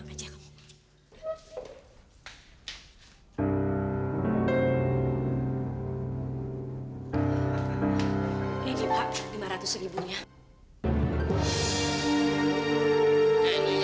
mama mama apaan sih